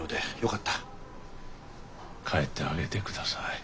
帰ってあげてください。